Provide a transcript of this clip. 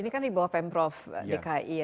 ini kan di bawah pemprov dki ya